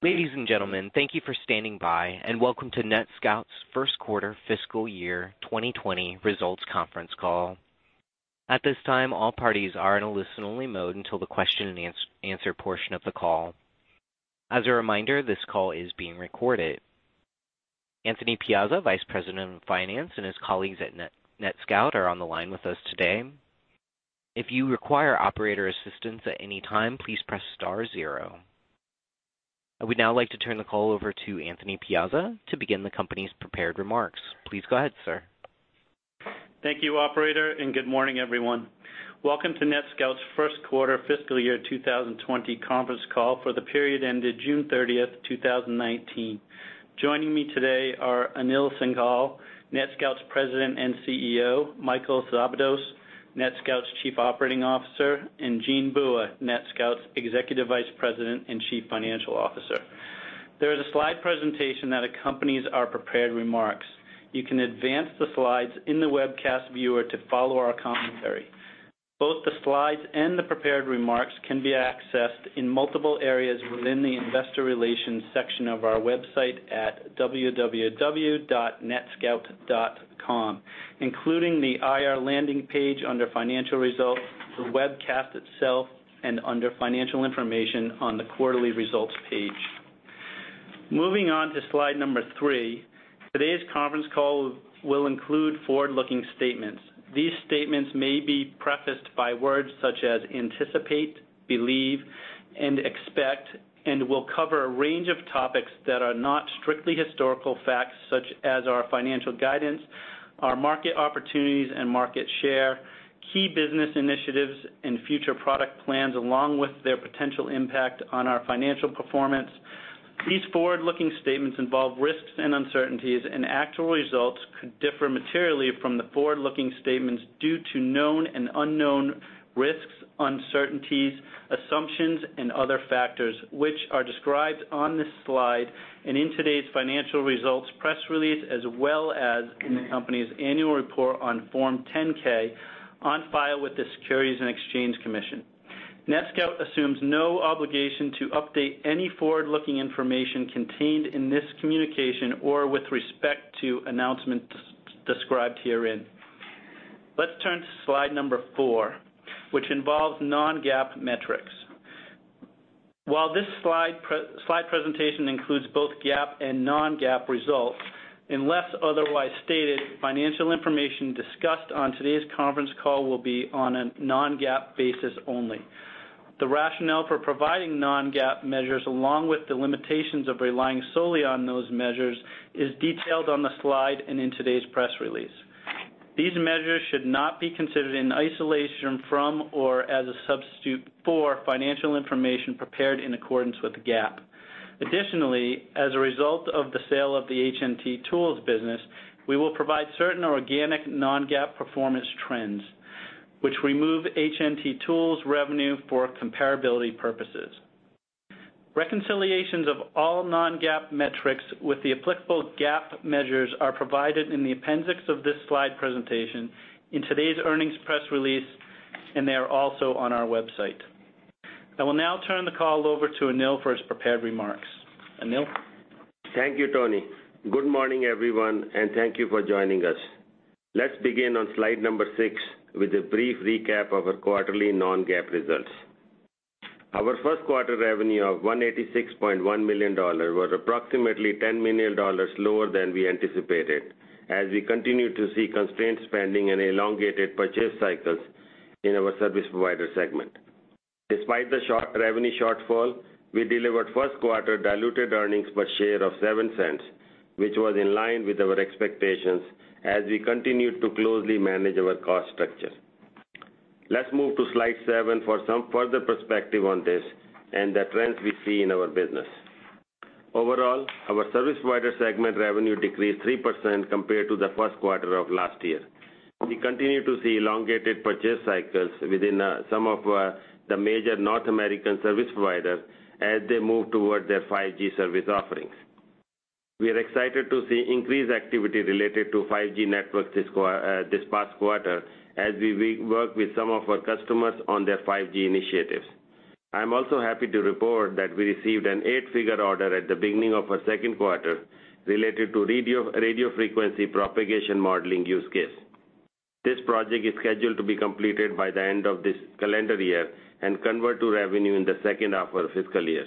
Ladies and gentlemen, thank you for standing by, and welcome to NETSCOUT's first quarter fiscal year 2020 results conference call. At this time, all parties are in a listen-only mode until the question and answer portion of the call. As a reminder, this call is being recorded. Anthony Piazza, Vice President of Corporate Finance, and his colleagues at NETSCOUT are on the line with us today. If you require operator assistance at any time, please press star zero. I would now like to turn the call over to Anthony Piazza to begin the company's prepared remarks. Please go ahead, sir. Thank you, operator, and good morning, everyone. Welcome to NETSCOUT's first quarter fiscal year 2020 conference call for the period ended June 30, 2019. Joining me today are Anil Singhal, NETSCOUT's President and CEO, Michael Szabados, NETSCOUT's Chief Operating Officer, and Jean Bua, NETSCOUT's Executive Vice President and Chief Financial Officer. There is a slide presentation that accompanies our prepared remarks. You can advance the slides in the webcast viewer to follow our commentary. Both the slides and the prepared remarks can be accessed in multiple areas within the Investor Relations section of our website at www.netscout.com, including the IR landing page under Financial Results, the webcast itself, and under Financial Information on the quarterly results page. Moving on to slide number 3, today's conference call will include forward-looking statements. These statements may be prefaced by words such as "anticipate," "believe," and "expect," and will cover a range of topics that are not strictly historical facts, such as our financial guidance, our market opportunities and market share, key business initiatives, and future product plans, along with their potential impact on our financial performance. These forward-looking statements involve risks and uncertainties, and actual results could differ materially from the forward-looking statements due to known and unknown risks, uncertainties, assumptions, and other factors which are described on this slide and in today's financial results press release, as well as in the company's annual report on Form 10-K on file with the Securities and Exchange Commission. NETSCOUT assumes no obligation to update any forward-looking information contained in this communication or with respect to announcements described herein. Let's turn to slide number four, which involves non-GAAP metrics. While this slide presentation includes both GAAP and non-GAAP results, unless otherwise stated, financial information discussed on today's conference call will be on a non-GAAP basis only. The rationale for providing non-GAAP measures, along with the limitations of relying solely on those measures, is detailed on the slide and in today's press release. These measures should not be considered in isolation from or as a substitute for financial information prepared in accordance with GAAP. As a result of the sale of the HNT Tools business, we will provide certain organic non-GAAP performance trends, which remove HNT Tools revenue for comparability purposes. Reconciliations of all non-GAAP metrics with the applicable GAAP measures are provided in the appendix of this slide presentation in today's earnings press release, and they are also on our website. I will now turn the call over to Anil for his prepared remarks. Anil? Thank you, Tony. Good morning, everyone, and thank you for joining us. Let's begin on slide number 6 with a brief recap of our quarterly non-GAAP results. Our first quarter revenue of $186.1 million was approximately $10 million lower than we anticipated as we continued to see constrained spending and elongated purchase cycles in our service provider segment. Despite the revenue shortfall, we delivered first quarter diluted earnings per share of $0.07, which was in line with our expectations as we continued to closely manage our cost structure. Let's move to slide 7 for some further perspective on this and the trends we see in our business. Overall, our service provider segment revenue decreased 3% compared to the first quarter of last year. We continue to see elongated purchase cycles within some of the major North American service providers as they move towards their 5G service offerings. We are excited to see increased activity related to 5G networks this past quarter as we work with some of our customers on their 5G initiatives. I'm also happy to report that we received an eight-figure order at the beginning of our second quarter related to radio frequency propagation modeling use case. This project is scheduled to be completed by the end of this calendar year and convert to revenue in the second half of our fiscal year.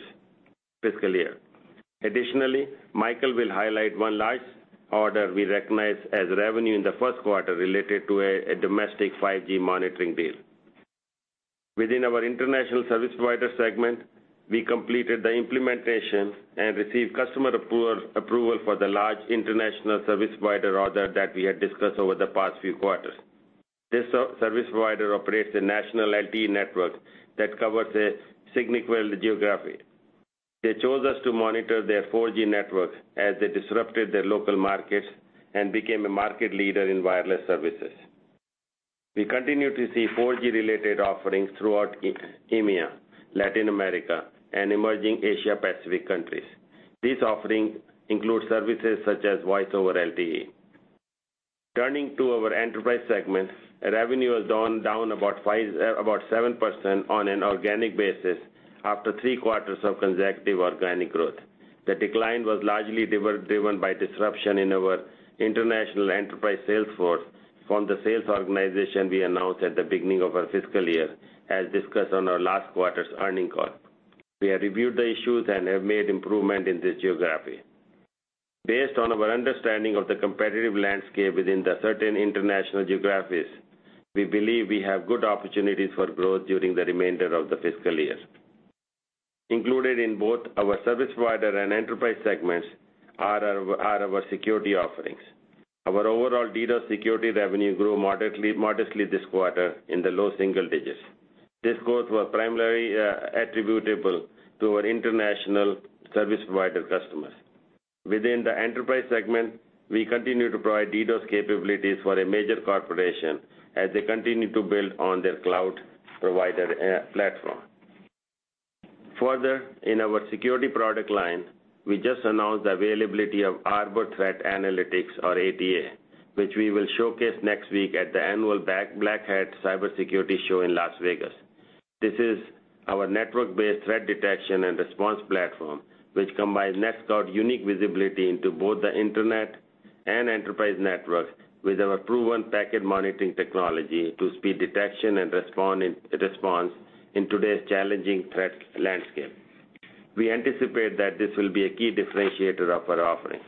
Additionally, Michael will highlight one large order we recognized as revenue in the first quarter related to a domestic 5G monitoring deal. Within our international service provider segment, we completed the implementation and received customer approval for the large international service provider order that we had discussed over the past few quarters. This service provider operates a national LTE network that covers a significant geography. They chose us to monitor their 4G network as they disrupted their local markets and became a market leader in wireless services. We continue to see 4G-related offerings throughout EMEA, Latin America, and emerging Asia Pacific countries. These offerings include services such as Voice over LTE. Turning to our enterprise segments, revenue was down about 7% on an organic basis after three quarters of consecutive organic growth. The decline was largely driven by disruption in our international enterprise sales force from the sales organization we announced at the beginning of our fiscal year, as discussed on our last quarter's earnings call. We have reviewed the issues and have made improvement in this geography. Based on our understanding of the competitive landscape within the certain international geographies, we believe we have good opportunities for growth during the remainder of the fiscal year. Included in both our service provider and enterprise segments are our security offerings. Our overall DDoS security revenue grew modestly this quarter in the low single digits. This growth was primarily attributable to our international service provider customers. Within the enterprise segment, we continue to provide DDoS capabilities for a major corporation as they continue to build on their cloud provider platform. Further, in our security product line, we just announced the availability of Arbor Threat Analytics, or ATA, which we will showcase next week at the annual Black Hat cybersecurity show in Las Vegas. This is our network-based threat detection and response platform, which combines NETSCOUT unique visibility into both the internet and enterprise networks with our proven packet monitoring technology to speed detection and response in today's challenging threat landscape. We anticipate that this will be a key differentiator of our offering.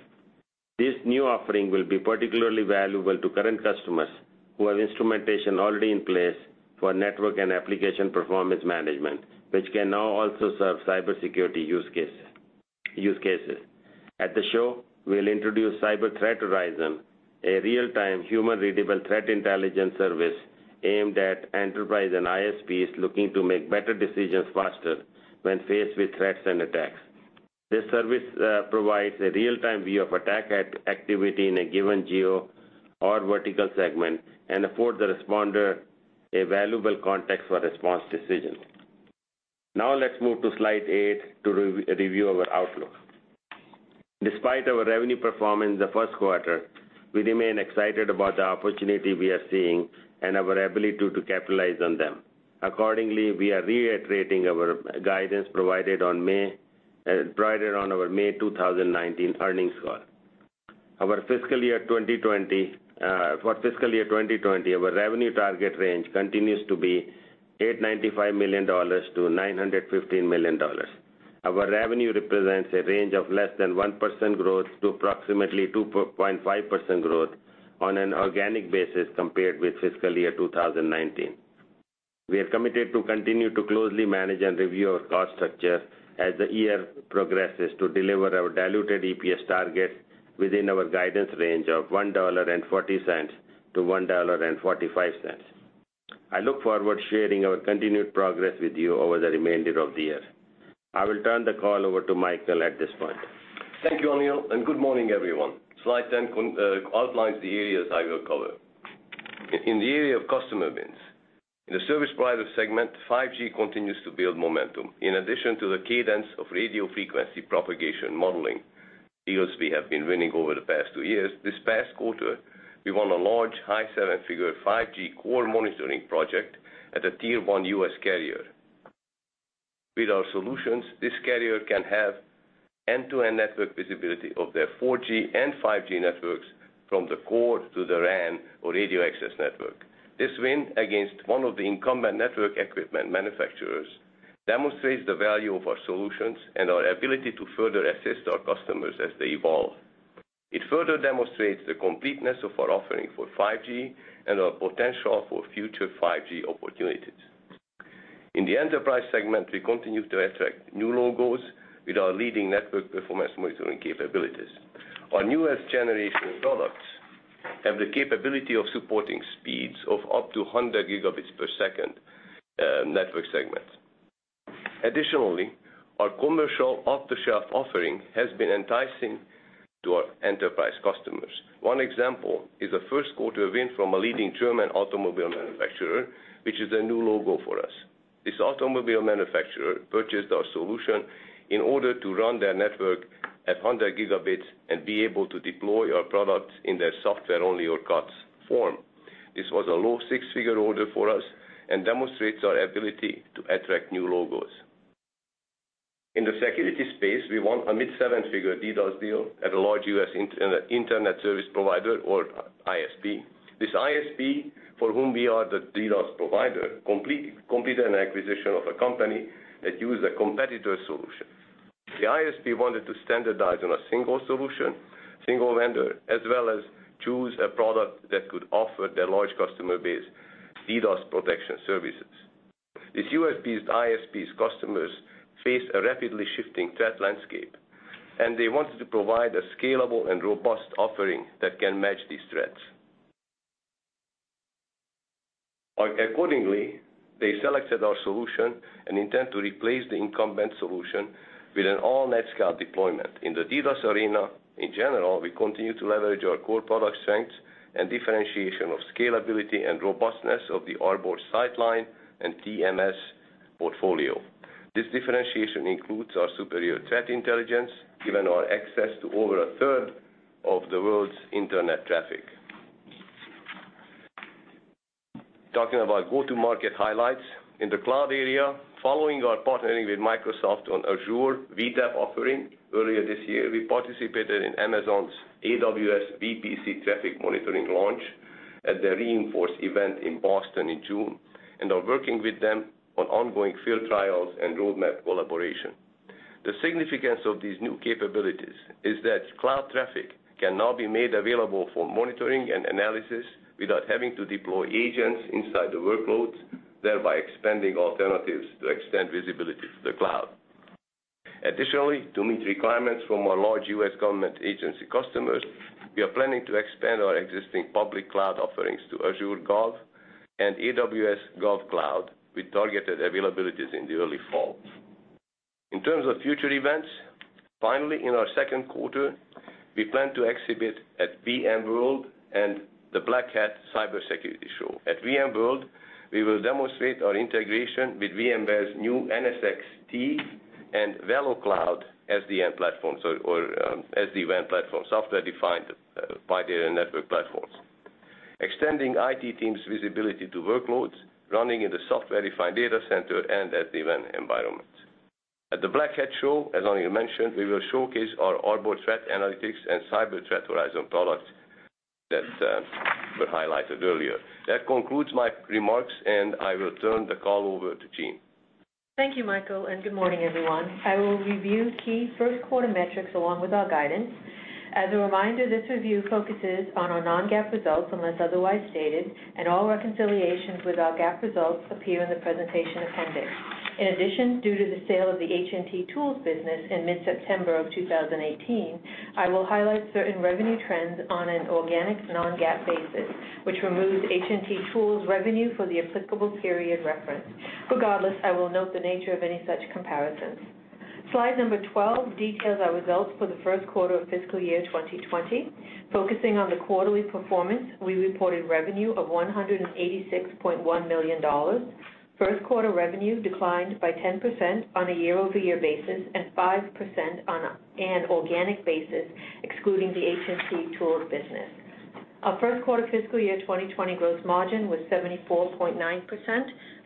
This new offering will be particularly valuable to current customers who have instrumentation already in place for network and application performance management, which can now also serve cybersecurity use cases. At the show, we'll introduce Cyber Threat Horizon, a real-time human-readable threat intelligence service aimed at enterprise and ISPs looking to make better decisions faster when faced with threats and attacks. This service provides a real-time view of attack activity in a given geo or vertical segment and affords the responder a valuable context for response decisions. Now let's move to slide eight to review our outlook. Despite our revenue performance the first quarter, we remain excited about the opportunity we are seeing and our ability to capitalize on them. Accordingly, we are reiterating our guidance provided on our May 2019 earnings call. For fiscal year 2020, our revenue target range continues to be $895 million to $915 million. Our revenue represents a range of less than 1% growth to approximately 2.5% growth on an organic basis compared with fiscal year 2019. We are committed to continue to closely manage and review our cost structure as the year progresses to deliver our diluted EPS target within our guidance range of $1.40-$1.45. I look forward to sharing our continued progress with you over the remainder of the year. I will turn the call over to Michael at this point. Thank you, Anil. Good morning, everyone. Slide 10 outlines the areas I will cover. In the area of customer wins, in the service provider segment, 5G continues to build momentum. In addition to the cadence of radio frequency propagation modeling deals we have been winning over the past two years, this past quarter, we won a large high seven-figure 5G core monitoring project at a tier-1 U.S. carrier. With our solutions, this carrier can have end-to-end network visibility of their 4G and 5G networks from the core to the RAN or Radio Access Network. This win against one of the incumbent network equipment manufacturers demonstrates the value of our solutions and our ability to further assist our customers as they evolve. It further demonstrates the completeness of our offering for 5G and our potential for future 5G opportunities. In the enterprise segment, we continue to attract new logos with our leading network performance monitoring capabilities. Our newest generation of products have the capability of supporting speeds of up to 100 gigabits per second network segments. Additionally, our commercial off-the-shelf offering has been enticing to our enterprise customers. One example is a first-quarter win from a leading German automobile manufacturer, which is a new logo for us. This automobile manufacturer purchased our solution in order to run their network at 100 gigabits and be able to deploy our product in their software-only or COTS form. This was a low six-figure order for us and demonstrates our ability to attract new logos. In the security space, we won a mid-seven-figure DDoS deal at a large U.S. internet service provider or ISP. This ISP, for whom we are the DDoS provider, completed an acquisition of a company that used a competitor solution. The ISP wanted to standardize on a single solution, single vendor, as well as choose a product that could offer their large customer base DDoS protection services. This ISP's customers face a rapidly shifting threat landscape, they wanted to provide a scalable and robust offering that can match these threats. Accordingly, they selected our solution and intend to replace the incumbent solution with an all NETSCOUT deployment. In the DDoS arena, in general, we continue to leverage our core product strengths and differentiation of scalability and robustness of the Arbor Sightline and TMSPortfolio. This differentiation includes our superior threat intelligence, given our access to over a third of the world's internet traffic. Talking about go-to-market highlights. In the cloud area, following our partnering with Microsoft on Azure vTAP offering earlier this year, we participated in Amazon's AWS VPC traffic monitoring launch at the re:Inforce event in Boston in June, and are working with them on ongoing field trials and roadmap collaboration. The significance of these new capabilities is that cloud traffic can now be made available for monitoring and analysis without having to deploy agents inside the workloads, thereby expanding alternatives to extend visibility to the cloud. Additionally, to meet requirements from our large U.S. government agency customers, we are planning to expand our existing public cloud offerings to Azure Gov and AWS GovCloud with targeted availabilities in the early fall. In terms of future events, finally, in our second quarter, we plan to exhibit at VMworld and the Black Hat cybersecurity show. At VMworld, we will demonstrate our integration with VMware's new NSX-T and VeloCloud SD-WAN platform, software-defined wide area network platforms, extending IT teams' visibility to workloads running in the software-defined data center and SD-WAN environments. At the Black Hat show, as Anil mentioned, we will showcase our Arbor Threat Analytics and Cyber Threat Horizon products that were highlighted earlier. That concludes my remarks, and I will turn the call over to Jean. Thank you, Michael, and good morning, everyone. I will review key first quarter metrics along with our guidance. As a reminder, this review focuses on our non-GAAP results unless otherwise stated, and all reconciliations with our GAAP results appear in the presentation appendix. In addition, due to the sale of the HNT Tools business in mid-September of 2018, I will highlight certain revenue trends on an organic non-GAAP basis, which removes HNT Tools revenue for the applicable period referenced. Regardless, I will note the nature of any such comparisons. Slide number 12 details our results for the first quarter of fiscal year 2020. Focusing on the quarterly performance, we reported revenue of $186.1 million. First quarter revenue declined by 10% on a year-over-year basis and 5% on an organic basis, excluding the HNT Tools business. Our first quarter fiscal year 2020 gross margin was 74.9%,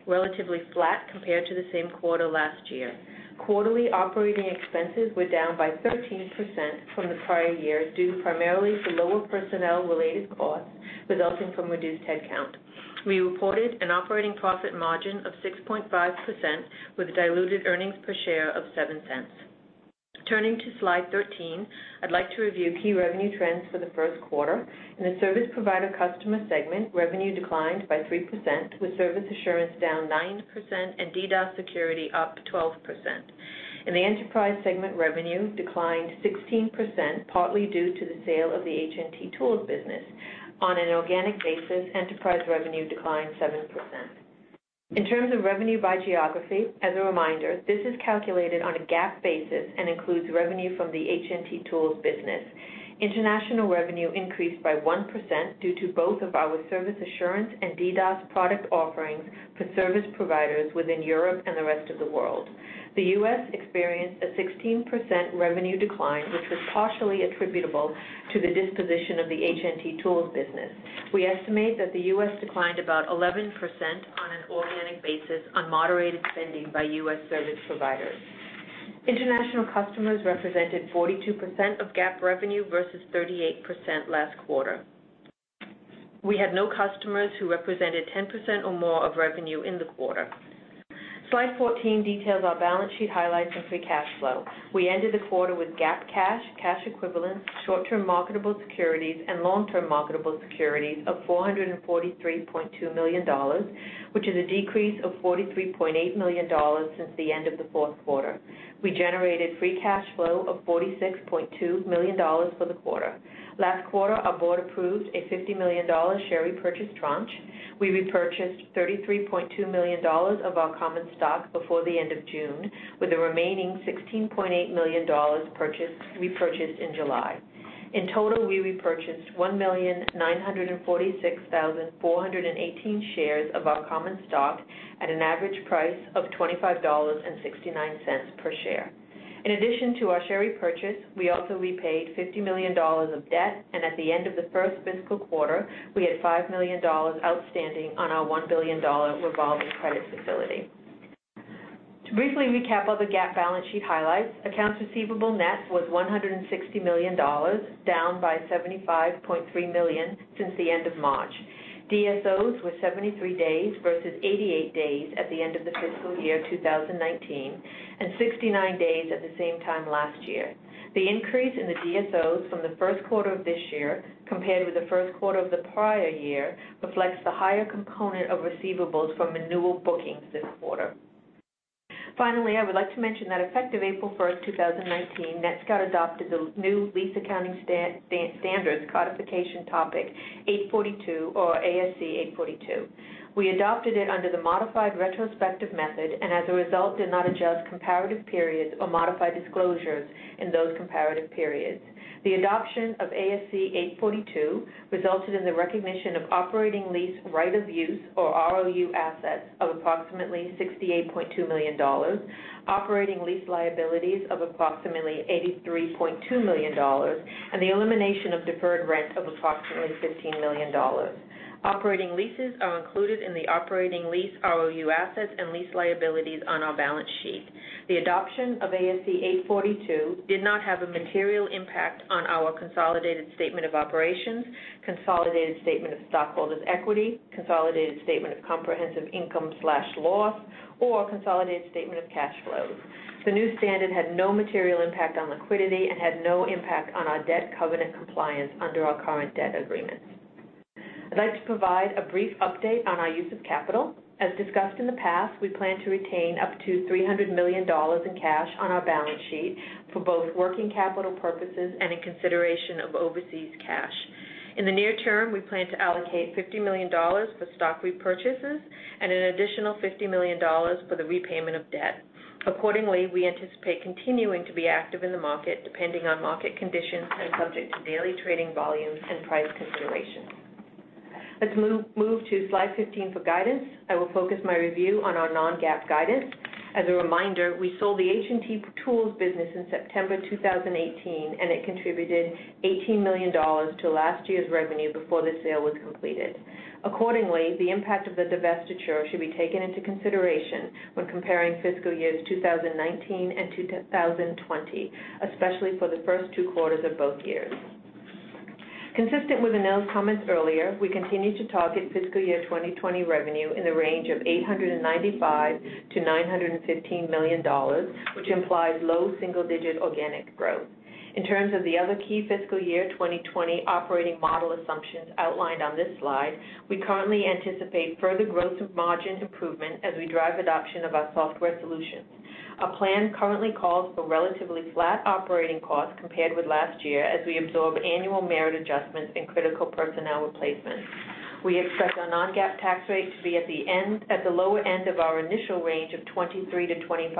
relatively flat compared to the same quarter last year. Quarterly operating expenses were down by 13% from the prior year, due primarily to lower personnel-related costs resulting from reduced headcount. We reported an operating profit margin of 6.5% with diluted earnings per share of $0.07. Turning to slide 13, I'd like to review key revenue trends for the first quarter. In the service provider customer segment, revenue declined by 3%, with service assurance down 9% and DDoS security up 12%. In the enterprise segment, revenue declined 16%, partly due to the sale of the HNT Tools business. On an organic basis, enterprise revenue declined 7%. In terms of revenue by geography, as a reminder, this is calculated on a GAAP basis and includes revenue from the HNT Tools business. International revenue increased by 1% due to both of our service assurance and DDoS product offerings for service providers within Europe and the rest of the world. The U.S. experienced a 16% revenue decline, which was partially attributable to the disposition of the HNT tools business. We estimate that the U.S. declined about 11% on an organic basis on moderated spending by U.S. service providers. International customers represented 42% of GAAP revenue versus 38% last quarter. We had no customers who represented 10% or more of revenue in the quarter. Slide 14 details our balance sheet highlights and free cash flow. We ended the quarter with GAAP cash equivalents, short-term marketable securities, and long-term marketable securities of $443.2 million, which is a decrease of $43.8 million since the end of the fourth quarter. We generated free cash flow of $46.2 million for the quarter. Last quarter, our board approved a $50 million share repurchase tranche. We repurchased $33.2 million of our common stock before the end of June, with the remaining $16.8 million repurchased in July. In total, we repurchased 1,946,418 shares of our common stock at an average price of $25.69 per share. In addition to our share repurchase, we also repaid $50 million of debt, and at the end of the first fiscal quarter, we had $5 million outstanding on our $1 billion revolving credit facility. To briefly recap other GAAP balance sheet highlights, accounts receivable net was $160 million, down by $75.3 million since the end of March. DSOs were 73 days versus 88 days at the end of the fiscal year 2019, and 69 days at the same time last year. The increase in the DSOs from the first quarter of this year compared with the first quarter of the prior year reflects the higher component of receivables from renewal bookings this quarter. Finally, I would like to mention that effective April first, 2019, NETSCOUT adopted the new lease accounting standards codification topic 842 or ASC 842. We adopted it under the modified retrospective method and as a result, did not adjust comparative periods or modify disclosures in those comparative periods. The adoption of ASC 842 resulted in the recognition of operating lease right of use, or ROU, assets of approximately $68.2 million, operating lease liabilities of approximately $83.2 million, and the elimination of deferred rent of approximately $15 million. Operating leases are included in the operating lease ROU assets and lease liabilities on our balance sheet. The adoption of ASC 842 did not have a material impact on our consolidated statement of operations, consolidated statement of stockholders' equity, consolidated statement of comprehensive income/loss, or consolidated statement of cash flows. The new standard had no material impact on liquidity and had no impact on our debt covenant compliance under our current debt agreements. I'd like to provide a brief update on our use of capital. As discussed in the past, we plan to retain up to $300 million in cash on our balance sheet for both working capital purposes and in consideration of overseas cash. In the near term, we plan to allocate $50 million for stock repurchases and an additional $50 million for the repayment of debt. Accordingly, we anticipate continuing to be active in the market, depending on market conditions and subject to daily trading volumes and price considerations. Let's move to slide 15 for guidance. I will focus my review on our non-GAAP guidance. As a reminder, we sold the HNT Tools business in September 2018, and it contributed $18 million to last year's revenue before the sale was completed. Accordingly, the impact of the divestiture should be taken into consideration when comparing fiscal years 2019 and 2020, especially for the first two quarters of both years. Consistent with Anil's comments earlier, we continue to target fiscal year 2020 revenue in the range of $895 million to $915 million, which implies low single-digit organic growth. In terms of the other key fiscal year 2020 operating model assumptions outlined on this slide, we currently anticipate further gross margin improvement as we drive adoption of our software solutions. Our plan currently calls for relatively flat operating costs compared with last year as we absorb annual merit adjustments and critical personnel replacements. We expect our non-GAAP tax rate to be at the lower end of our initial range of 23%-25%.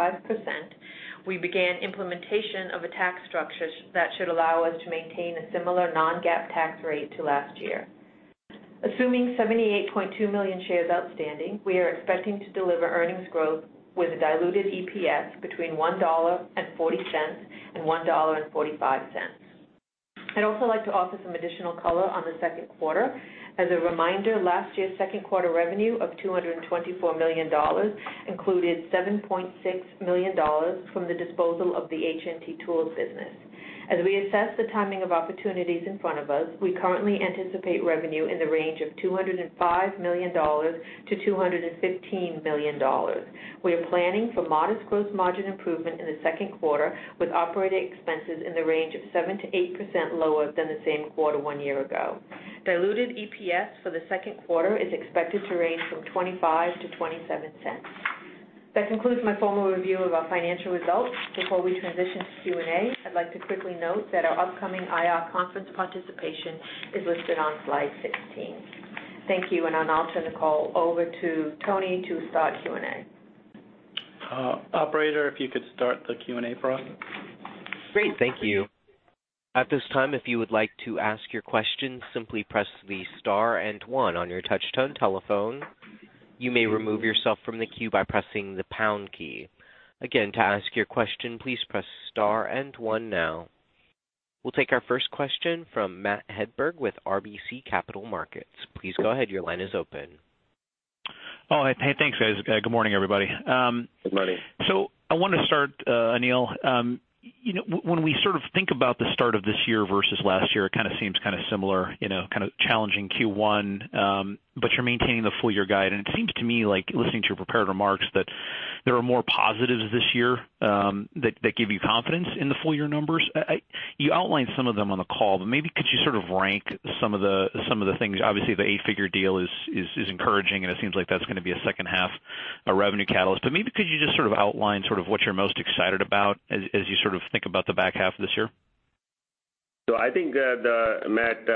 We began implementation of a tax structure that should allow us to maintain a similar non-GAAP tax rate to last year. Assuming 78.2 million shares outstanding, we are expecting to deliver earnings growth with a diluted EPS between $1.40 and $1.45. I'd also like to offer some additional color on the second quarter. As a reminder, last year's second quarter revenue of $224 million included $7.6 million from the disposal of the HNT Tools business. As we assess the timing of opportunities in front of us, we currently anticipate revenue in the range of $205 million-$215 million. We are planning for modest gross margin improvement in the second quarter, with operating expenses in the range of 7%-8% lower than the same quarter one year ago. Diluted EPS for the second quarter is expected to range from $0.25-$0.27. That concludes my formal review of our financial results. Before we transition to Q&A, I'd like to quickly note that our upcoming IR conference participation is listed on slide 16. Thank you, I'll now turn the call over to Tony to start Q&A. Operator, if you could start the Q&A for us. Great. Thank you. At this time, if you would like to ask your question, simply press the star and one on your touch tone telephone. You may remove yourself from the queue by pressing the pound key. Again, to ask your question, please press star and one now. We'll take our first question from Matthew Hedberg with RBC Capital Markets. Please go ahead. Your line is open. Oh, hey, thanks, guys. Good morning, everybody. Good morning. I want to start, Anil. When we think about the start of this year versus last year, it kind of seems kind of similar, kind of challenging Q1, but you're maintaining the full year guide, and it seems to me like, listening to your prepared remarks, that there are more positives this year that give you confidence in the full year numbers. You outlined some of them on the call, but maybe could you sort of rank some of the things? Obviously, the eight-figure deal is encouraging, and it seems like that's going to be a second half revenue catalyst. Maybe could you just outline what you're most excited about as you think about the back half of this year? I think, Matt,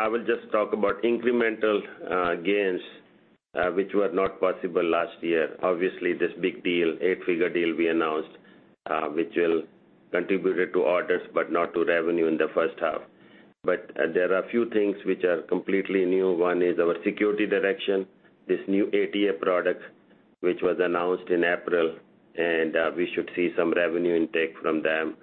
I will just talk about incremental gains, which were not possible last year. Obviously, this big deal, eight-figure deal we announced, which will contribute to orders but not to revenue in the first half. There are a few things which are completely new. One is our security direction, this new ATA product, which was announced in April, and we should see some revenue intake from them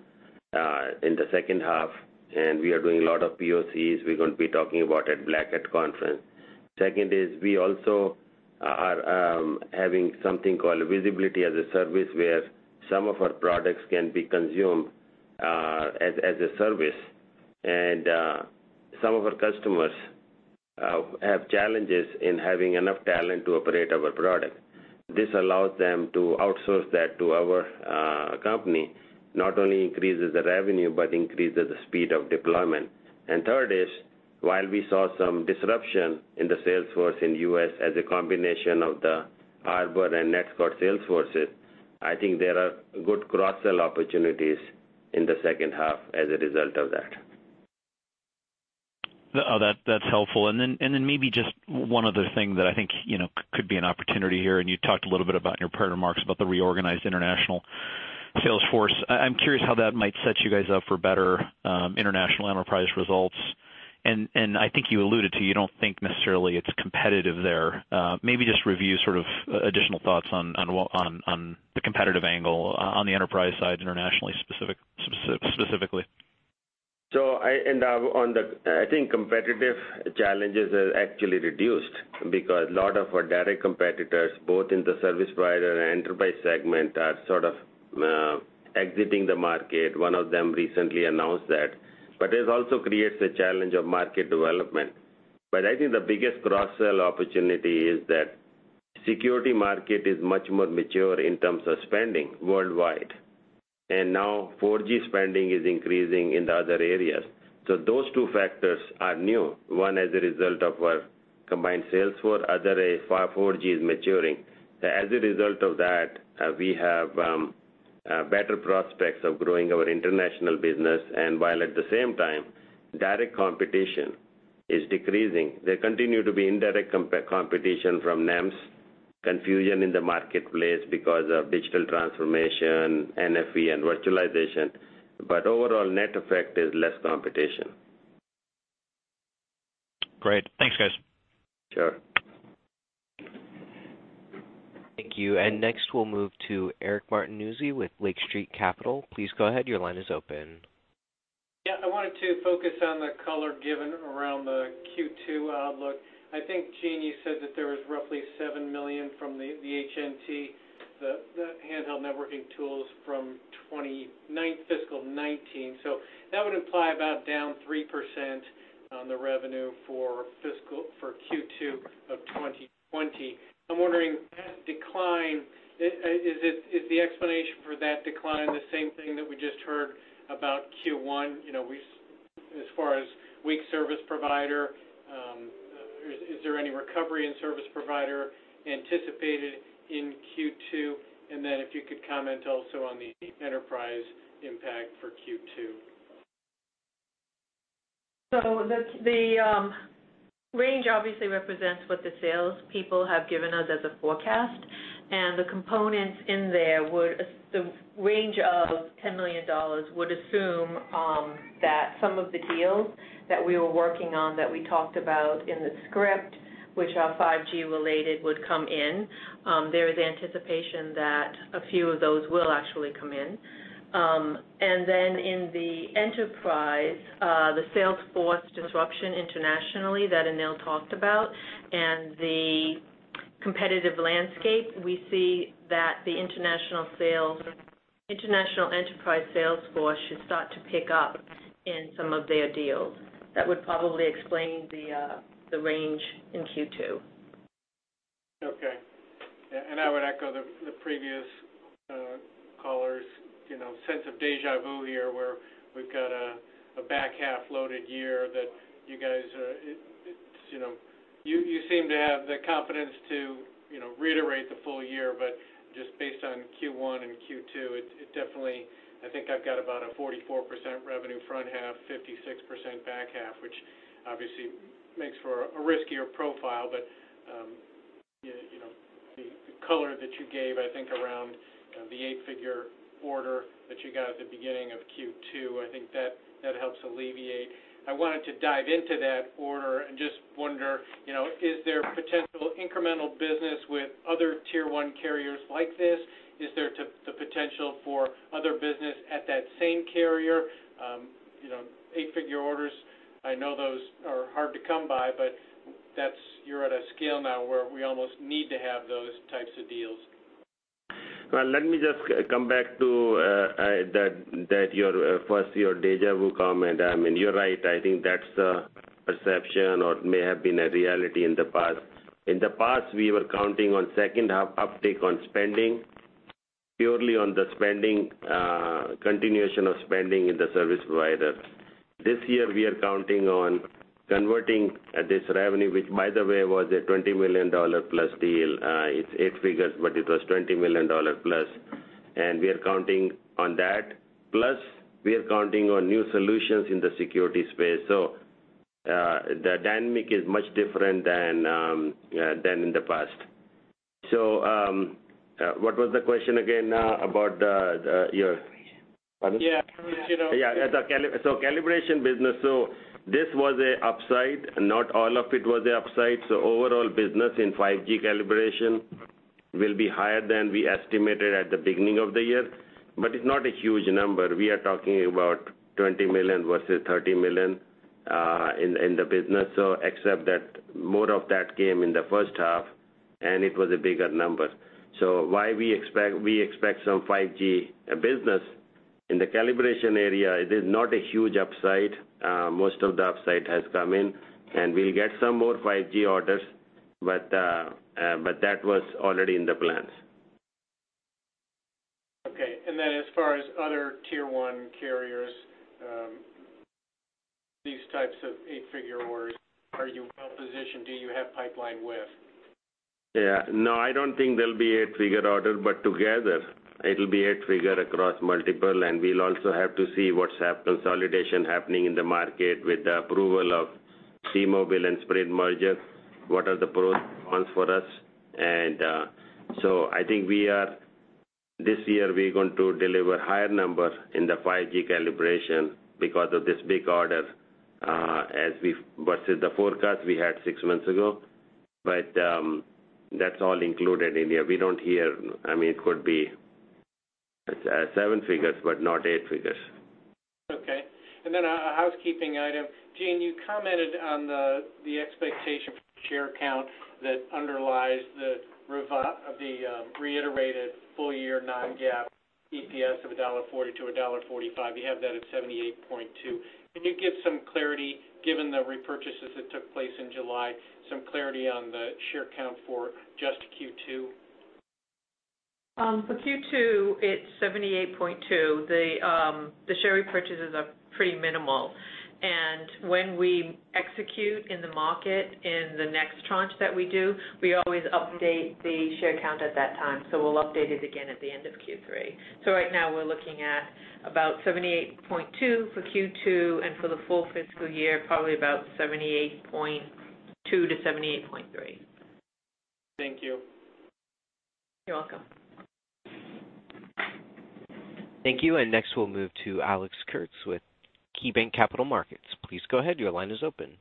in the second half, and we are doing a lot of POCs. We're going to be talking about it at Black Hat Conference. Second, we also are having something called Visibility as a Service, where some of our products can be consumed as a service. Some of our customers have challenges in having enough talent to operate our product. This allows them to outsource that to our company, not only increases the revenue, but increases the speed of deployment. Third, while we saw some disruption in the sales force in U.S. as a combination of the Arbor and NETSCOUT sales forces, I think there are good cross-sell opportunities in the second half as a result of that. That's helpful. Maybe just one other thing that I think could be an opportunity here, and you talked a little bit about in your prior remarks about the reorganized international sales force. I'm curious how that might set you guys up for better international enterprise results. I think you alluded to, you don't think necessarily it's competitive there. Maybe just review additional thoughts on the competitive angle on the enterprise side internationally, specifically. I think competitive challenges are actually reduced because a lot of our direct competitors, both in the service provider and enterprise segment, are exiting the market. One of them recently announced that. It also creates a challenge of market development. I think the biggest cross-sell opportunity is that security market is much more mature in terms of spending worldwide. Now 4G spending is increasing in the other areas. Those two factors are new. One as a result of our combined sales force, other is 4G is maturing. As a result of that, we have better prospects of growing our international business and while at the same time, direct competition is decreasing. There continue to be indirect competition from NEMs, confusion in the marketplace because of digital transformation, NFV and virtualization, overall net effect is less competition. Great. Thanks, guys. Sure. Thank you. Next we'll move to Eric Martinuzzi with Lake Street Capital. Please go ahead. Your line is open. Yeah, I wanted to focus on the color given around the Q2 outlook. I think, Jean, you said that there was roughly $7 million from the HNT, the Handheld Network Test tools from fiscal 2019. That would imply about down 3% on the revenue for Q2 2020. I'm wondering that decline, is the explanation for that decline the same thing that we just heard about Q1, as far as weak service provider? Is there any recovery in service provider anticipated in Q2? If you could comment also on the enterprise impact for Q2. The range obviously represents what the salespeople have given us as a forecast, and the components in there, the range of $10 million would assume that some of the deals that we were working on that we talked about in the script, which are 5G related, would come in. There is anticipation that a few of those will actually come in. In the enterprise, the sales force disruption internationally that Anil talked about and the competitive landscape, we see that the international enterprise sales force should start to pick up in some of their deals. That would probably explain the range in Q2. Okay. I would echo the previous callers, sense of deja vu here where we've got a back half loaded year that you guys seem to have the confidence to reiterate the full year, but just based on Q1 and Q2, it definitely, I think I've got about a 44% revenue front half, 56% back half, which obviously makes for a riskier profile. The color that you gave, I think around the 8 figure order that you got at the beginning of Q2, I think that helps alleviate. I wanted to dive into that order and just wonder, is there potential incremental business with other tier 1 carriers like this? Is there the potential for other business at that same carrier? 8 figure orders, I know those are hard to come by, but you're at a scale now where we almost need to have those types of deals. Well, let me just come back to first your deja vu comment. I mean, you're right. I think that's a perception or may have been a reality in the past. In the past, we were counting on second half uptake on spending purely on the continuation of spending in the service providers. This year, we are counting on converting this revenue, which by the way was a $20 million plus deal. It's 8 figures, but it was $20 million plus. We are counting on that. We are counting on new solutions in the security space. The dynamic is much different than in the past. What was the question again about your Yeah. Yeah. Calibration business. This was a upside, not all of it was a upside. Overall business in 5G calibration will be higher than we estimated at the beginning of the year, but it's not a huge number. We are talking about $20 million versus $30 million in the business. Except that more of that came in the first half and it was a bigger number. While we expect some 5G business in the calibration area, it is not a huge upside. Most of the upside has come in and we'll get some more 5G orders, but that was already in the plans. Okay. As far as other tier 1 carriers, these types of eight-figure orders, are you well-positioned? Do you have pipeline width? Yeah. No, I don't think there'll be eight-figure order, but together it'll be eight-figure across multiple, and we'll also have to see what consolidation happening in the market with the approval of T-Mobile and Sprint merger, what are the pros and cons for us. I think this year we're going to deliver higher numbers in the 5G calibration because of this big order, versus the forecast we had six months ago. That's all included in here. I mean, it could be seven figures, but not eight figures. Okay. A housekeeping item. Jean, you commented on the expectation for share count that underlies the reiterated full year non-GAAP EPS of $1.40-$1.45. You have that at 78.2. Can you give some clarity, given the repurchases that took place in July, some clarity on the share count for just Q2? For Q2, it's 78.2. The share repurchases are pretty minimal. When we execute in the market in the next tranche that we do, we always update the share count at that time, so we'll update it again at the end of Q3. Right now we're looking at about 78.2 for Q2, and for the full fiscal year, probably about 78.2 to 78.3. Thank you. You're welcome. Thank you. Next we'll move to Alex Kurtz with KeyBanc Capital Markets. Please go ahead, your line is open.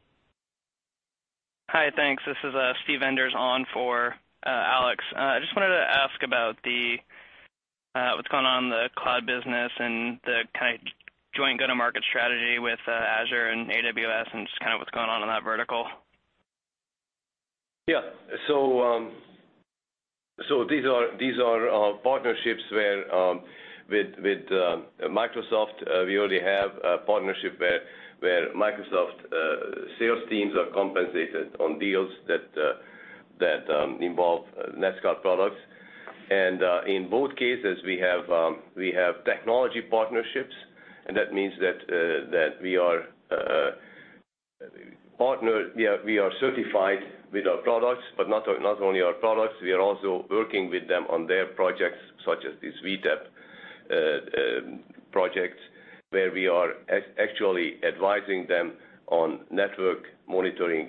Hi, thanks. This is Steve Enders on for Alex. I just wanted to ask about what's going on in the cloud business and the kind of joint go-to-market strategy with Azure and AWS and just what's going on in that vertical. These are partnerships where with Microsoft, we already have a partnership where Microsoft sales teams are compensated on deals that involve NETSCOUT products. In both cases, we have technology partnerships, that means that we are certified with our products. Not only our products, we are also working with them on their projects, such as this vTAP projects, where we are actually advising them on network monitoring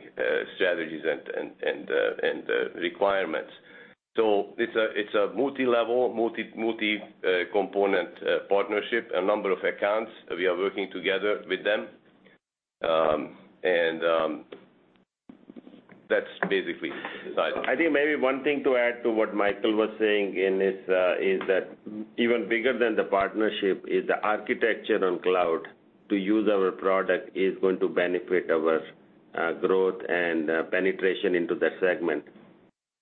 strategies and requirements. It's a multilevel, multi-component partnership, a number of accounts. We are working together with them, that's basically it. I think maybe one thing to add to what Michael was saying is that even bigger than the partnership is the architecture on cloud to use our product is going to benefit our growth and penetration into that segment.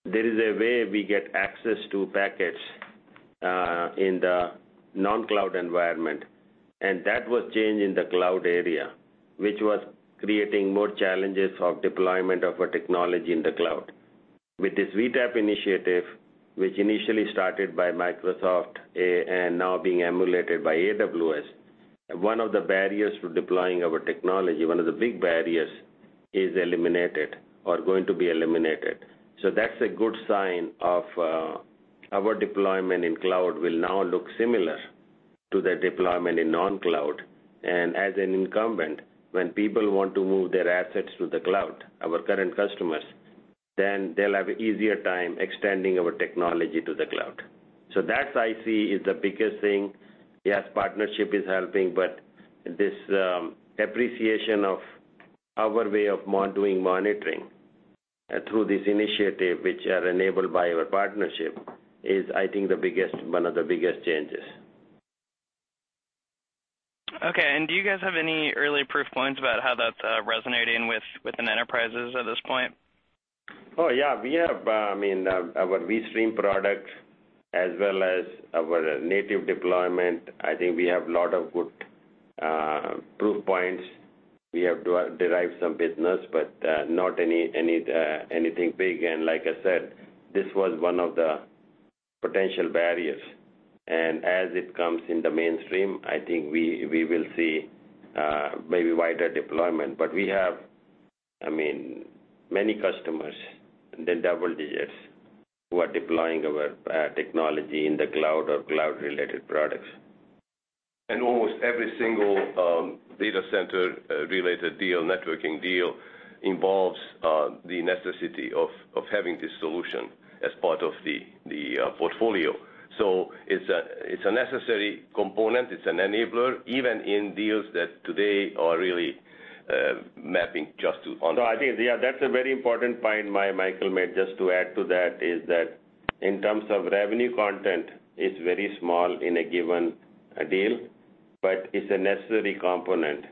There is a way we get access to packets, in the non-cloud environment, and that was changed in the cloud area, which was creating more challenges of deployment of our technology in the cloud. With this vTAP initiative, which initially started by Microsoft, and now being emulated by AWS, one of the barriers for deploying our technology, one of the big barriers, is eliminated or going to be eliminated. That's a good sign of our deployment in cloud will now look similar to the deployment in non-cloud. As an incumbent, when people want to move their assets to the cloud, our current customers, then they'll have easier time extending our technology to the cloud. That I see is the biggest thing. Partnership is helping, but this appreciation of our way of doing monitoring through this initiative, which are enabled by our partnership, is, I think, one of the biggest changes. Okay. Do you guys have any early proof points about how that's resonating within enterprises at this point? Oh, yeah. We have our vSTREAM product as well as our native deployment. I think we have lot of good proof points. We have derived some business, but not anything big. Like I said, this was one of the potential barriers. As it comes in the mainstream, I think we will see maybe wider deployment. We have many customers, in the double digits, who are deploying our technology in the cloud or cloud-related products. Almost every single data center related deal, networking deal involves the necessity of having this solution as part of the portfolio. It's a necessary component. It's an enabler, even in deals that today are really mapping just to on- No, I think, yeah, that's a very important point Michael made, just to add to that, is that in terms of revenue content, it's very small in a given deal, but it's a necessary component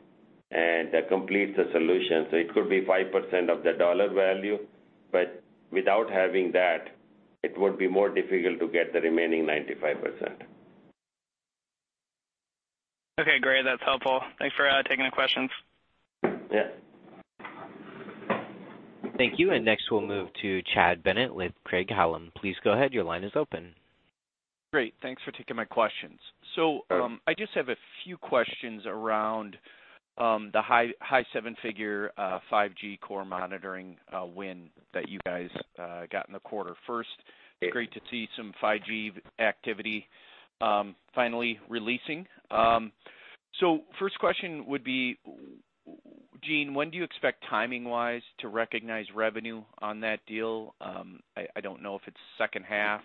and completes the solution. It could be 5% of the dollar value, but without having that, it would be more difficult to get the remaining 95%. Okay, great. That's helpful. Thanks for taking the questions. Yeah. Thank you. Next we'll move to Chad Bennett with Craig-Hallum. Please go ahead. Your line is open. Great. Thanks for taking my questions. I just have a few questions around the high 7-figure 5G core monitoring win that you guys got in the quarter first. Great to see some 5G activity finally releasing. First question would be, Jean, when do you expect timing-wise to recognize revenue on that deal? I don't know if it's second half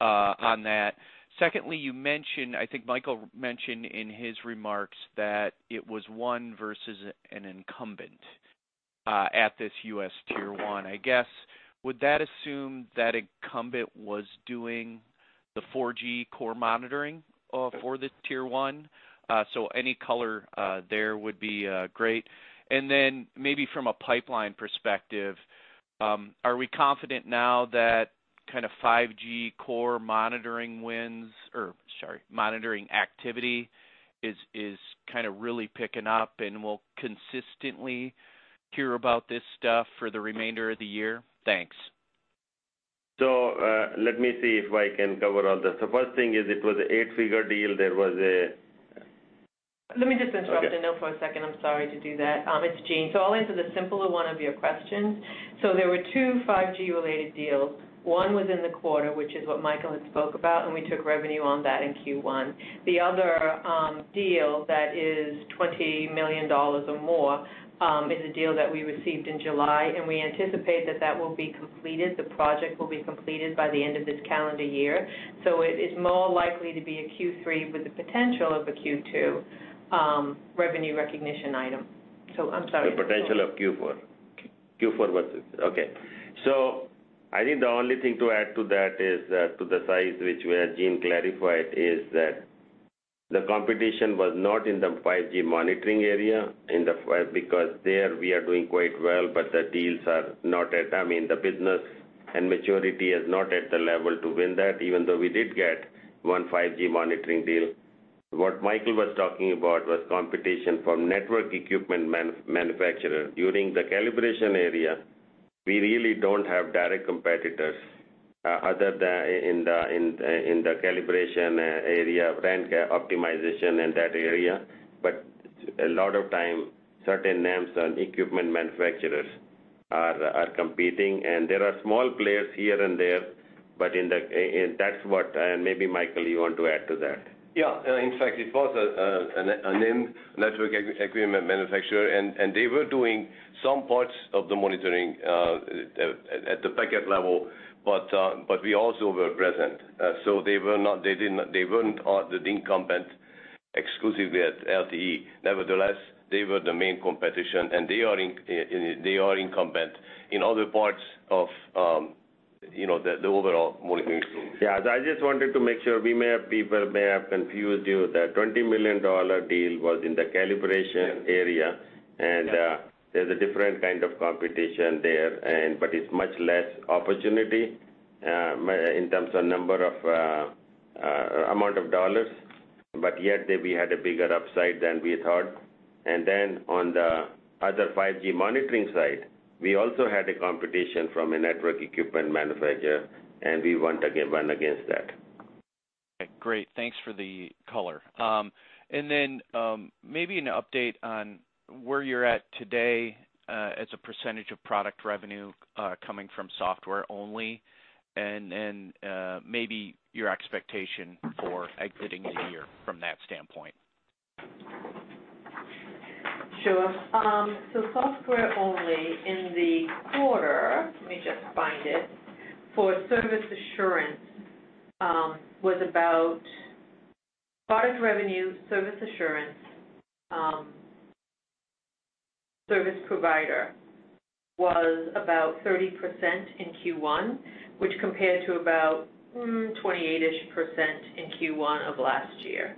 on that. Secondly, you mentioned, I think Michael mentioned in his remarks that it was one versus an incumbent, at this U.S. tier 1. I guess, would that assume that incumbent was doing the 4G core monitoring for the tier 1? Any color there would be great. Maybe from a pipeline perspective, are we confident now that 5G core monitoring wins or, sorry, monitoring activity is really picking up, and we'll consistently hear about this stuff for the remainder of the year? Thanks. Let me see if I can cover all this. The first thing is it was an eight-figure deal. Let me just interrupt- Okay in there for a second. I'm sorry to do that. It's Jean. I'll answer the simpler one of your questions. There were two 5G related deals. One was in the quarter, which is what Michael had spoke about, and we took revenue on that in Q1. The other deal that is $20 million or more, is a deal that we received in July, and we anticipate that that will be completed, the project will be completed by the end of this calendar year. It is more likely to be a Q3 with the potential of a Q2, revenue recognition item. I'm sorry. The potential of Q4. Q4 versus I think the only thing to add to that is, to the size, which, where Jean clarified, is that the competition was not in the 5G monitoring area, because there we are doing quite well, but the deals are not at, I mean, the business and maturity is not at the level to win that, even though we did get one 5G monitoring deal. What Michael was talking about was competition from network equipment manufacturer. During the calibration area, we really don't have direct competitors other than in the calibration area, RAN optimization in that area. A lot of time, certain names on equipment manufacturers are competing, and there are small players here and there, that's what, maybe Michael, you want to add to that. Yeah. In fact, it was a NEM network equipment manufacturer. They were doing some parts of the monitoring at the packet level. We also were present. They weren't the incumbent exclusively at LTE. Nevertheless, they were the main competition, and they are incumbent in other parts of the overall monitoring tool. Yeah, I just wanted to make sure. People may have confused you. The $20 million deal was in the calibration area, there's a different kind of competition there, but it's much less opportunity, in terms of amount of dollars. Yet there we had a bigger upside than we thought. Then on the other 5G monitoring side, we also had a competition from a network equipment manufacturer, and we won against that. Great. Thanks for the color. Maybe an update on where you're at today, as a % of product revenue coming from software only, and then maybe your expectation for exiting the year from that standpoint. Sure. Software only in the quarter, let me just find it. For service assurance, was about product revenue, service assurance, service provider was about 30% in Q1, which compared to about 28-ish% in Q1 of last year.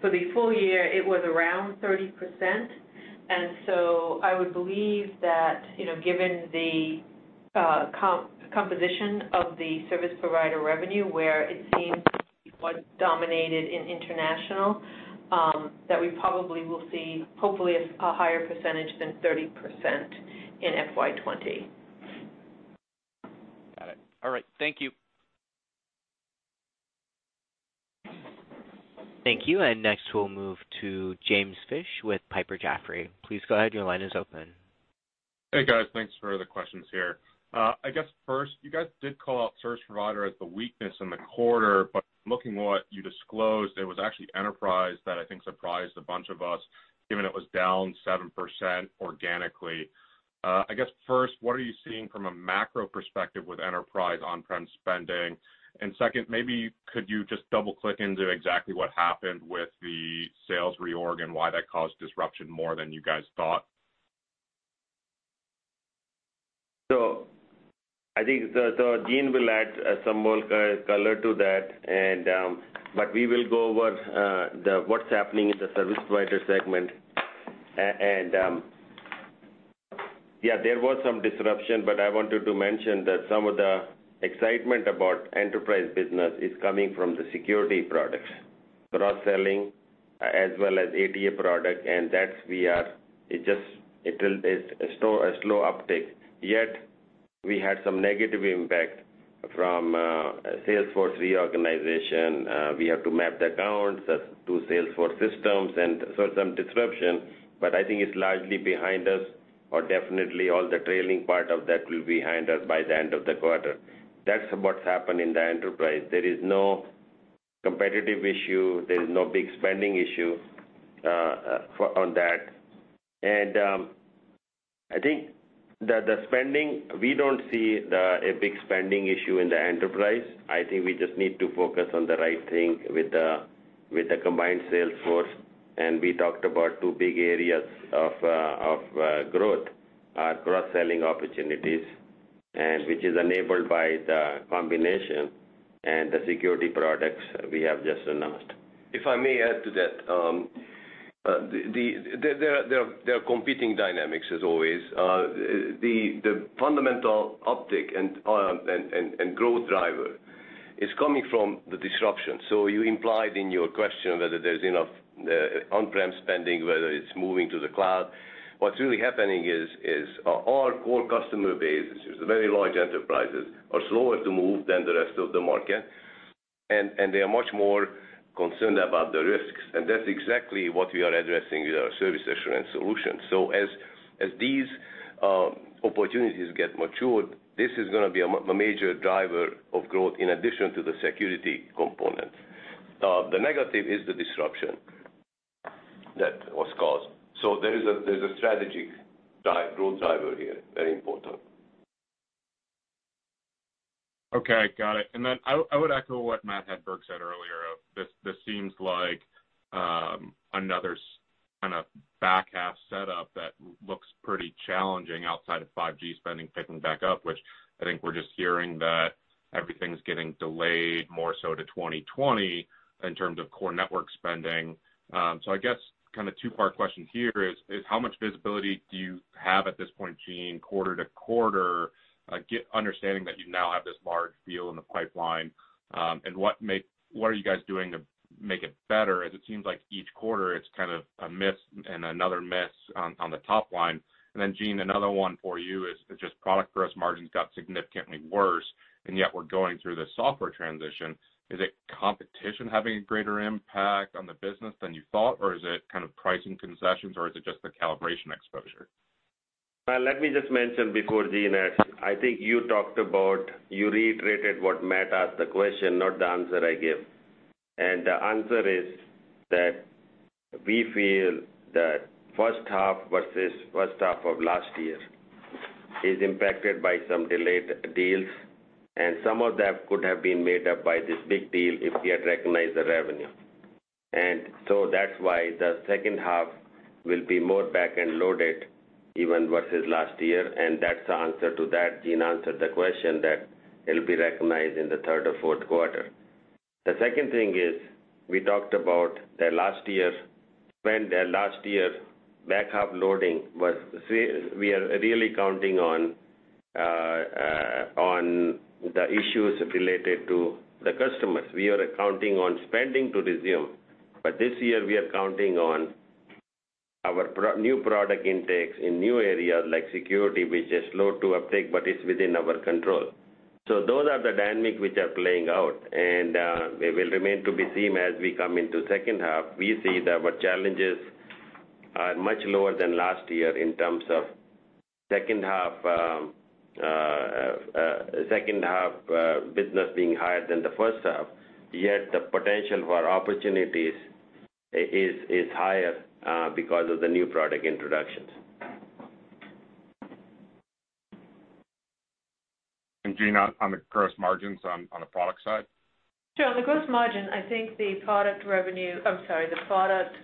For the full year, it was around 30%. I would believe that, given the composition of the service provider revenue, where it seems to be what's dominated in international, that we probably will see hopefully a higher percentage than 30% in FY 2020. Got it. All right. Thank you. Thank you. Next we'll move to James Fish with Piper Jaffray. Please go ahead. Your line is open. Hey, guys. Thanks for the questions here. I guess first, you guys did call out service provider as the weakness in the quarter, but looking what you disclosed, it was actually enterprise that I think surprised a bunch of us, given it was down 7% organically. I guess first, what are you seeing from a macro perspective with enterprise on-prem spending? Second, maybe could you just double-click into exactly what happened with the sales reorg and why that caused disruption more than you guys thought? I think the Jean will add some more color to that and, but we will go over what's happening in the service provider segment. Yeah, there was some disruption, but I wanted to mention that some of the excitement about enterprise business is coming from the security productsCross-selling as well as ATA product, and that's where it's a slow uptake. Yet we had some negative impact from Salesforce reorganization. We have to map the accounts to Salesforce systems and saw some disruption, but I think it's largely behind us, or definitely all the trailing part of that will be behind us by the end of the quarter. That's what's happened in the enterprise. There is no competitive issue. There's no big spending issue on that. I think that the spending, we don't see a big spending issue in the enterprise. I think we just need to focus on the right thing with the combined sales force. We talked about two big areas of growth, our cross-selling opportunities, and which is enabled by the combination and the security products we have just announced. If I may add to that. There are competing dynamics as always. The fundamental uptick and growth driver is coming from the disruption. You implied in your question whether there's enough on-prem spending, whether it's moving to the cloud. What's really happening is our core customer base, which is very large enterprises, are slower to move than the rest of the market, and they are much more concerned about the risks. That's exactly what we are addressing with our service assurance solution. As these opportunities get matured, this is going to be a major driver of growth in addition to the security component. The negative is the disruption that was caused. There's a strategy growth driver here, very important. Okay, got it. I would echo what Matt Hedberg said earlier, this seems like another kind of back half setup that looks pretty challenging outside of 5G spending picking back up, which I think we're just hearing that everything's getting delayed more so to 2020 in terms of core network spending. I guess kind of two-part question here is how much visibility do you have at this point, Jean, quarter to quarter, understanding that you now have this large deal in the pipeline? What are you guys doing to make it better, as it seems like each quarter it's kind of a miss and another miss on the top line. Jean, another one for you is just product gross margins got significantly worse, and yet we're going through this software transition. Is it competition having a greater impact on the business than you thought, or is it kind of pricing concessions, or is it just the calibration exposure? Let me just mention before Jean adds, I think you talked about, you reiterated what Matt asked the question, not the answer I give. The answer is that we feel that first half versus first half of last year is impacted by some delayed deals, and some of that could have been made up by this big deal if we had recognized the revenue. That's why the second half will be more back end loaded even versus last year, and that's the answer to that. Jean answered the question that it'll be recognized in the third or fourth quarter. The second thing is, we talked about the last year, when the last year back half loading was we are really counting on the issues related to the customers. We are counting on spending to resume. This year, we are counting on our new product intakes in new areas like security, which is slow to uptake, but it's within our control. Those are the dynamics which are playing out, and they will remain to be seen as we come into second half. We see that our challenges are much lower than last year in terms of second half business being higher than the first half. Yet the potential for opportunities is higher because of the new product introductions. Jean, on the gross margins on the product side? Sure. On the gross margin, I think the product revenue, I'm sorry, the product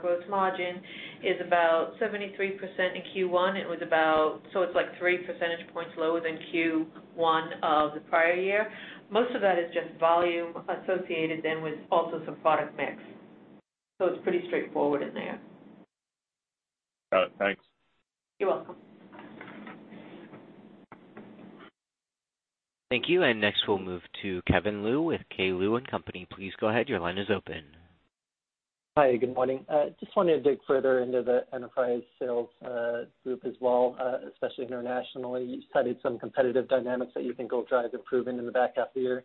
gross margin is about 73% in Q1. It was about, so it's like three percentage points lower than Q1 of the prior year. Most of that is just volume associated then with also some product mix. It's pretty straightforward in there. Got it. Thanks. You're welcome. Thank you. Next we'll move to Kevin Liu with K. Liu & Company. Please go ahead, your line is open. Hi, good morning. I just wanted to dig further into the enterprise sales group as well, especially internationally. You've cited some competitive dynamics that you think will drive improvement in the back half of the year.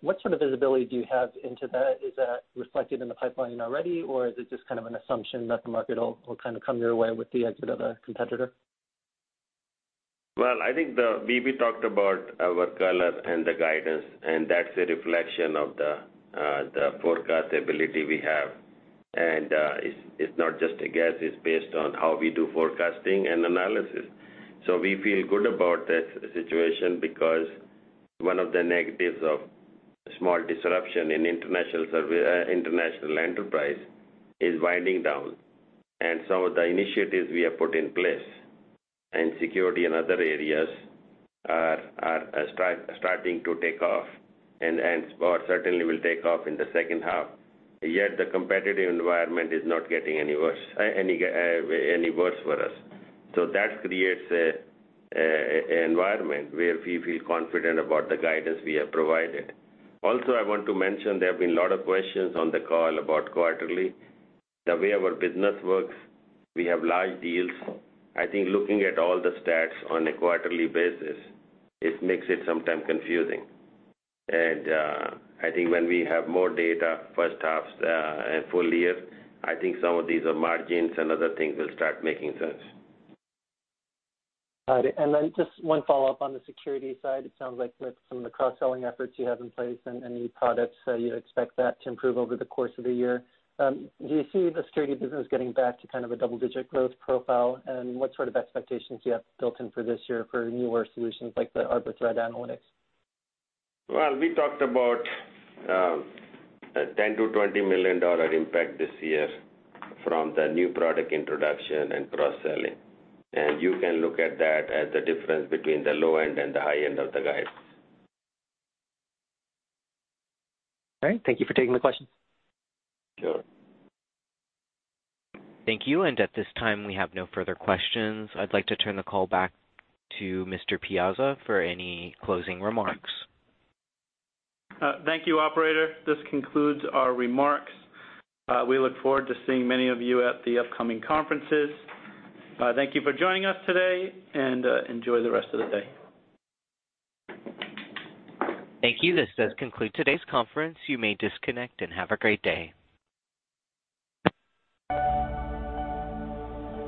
What sort of visibility do you have into that? Is that reflected in the pipeline already, or is it just kind of an assumption that the market will kind of come your way with the exit of a competitor? I think we talked about our color and the guidance, that's a reflection of the forecast ability we have. It's not just a guess, it's based on how we do forecasting and analysis. We feel good about the situation because one of the negatives of small disruption in international enterprise is winding down. Some of the initiatives we have put in place in security and other areas are starting to take off and, or certainly will take off in the second half. The competitive environment is not getting any worse for us. That creates an environment where we feel confident about the guidance we have provided. I want to mention, there have been a lot of questions on the call about quarterly. The way our business works, we have large deals. I think looking at all the stats on a quarterly basis, it makes it sometimes confusing. I think when we have more data, first halves and full year, I think some of these margins and other things will start making sense. Got it. Just one follow-up on the security side. It sounds like with some of the cross-selling efforts you have in place and new products, you expect that to improve over the course of the year. Do you see the security business getting back to kind of a double-digit growth profile, and what sort of expectations do you have built in for this year for newer solutions like the Arbor Threat Analytics? Well, we talked about a $10 million-$20 million impact this year from the new product introduction and cross-selling. You can look at that as the difference between the low end and the high end of the guidance. All right. Thank you for taking the question. Sure. Thank you. At this time, we have no further questions. I'd like to turn the call back to Mr. Piazza for any closing remarks. Thank you, operator. This concludes our remarks. We look forward to seeing many of you at the upcoming conferences. Thank you for joining us today, and enjoy the rest of the day. Thank you. This does conclude today's conference. You may disconnect and have a great day.